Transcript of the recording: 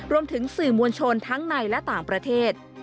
รวมถึงสื่อมวลชนทั้งในและต่างประเทศ